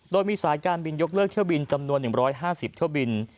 โดยมีสายการบินยกเลิกเที่ยวบินจำนวน๑๕๐เที่ยวบิน